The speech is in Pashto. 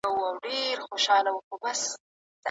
زه واده غواړم